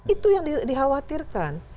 itu yang dikhawatirkan